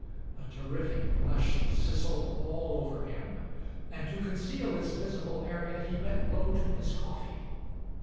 A terrific blush sizzled all over him, and to conceal its visible area he bent low to his coffee.